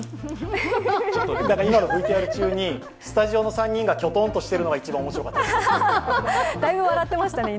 今のＶＴＲ中にスタジオの３人がきょとんとしているのが一番面白かったです。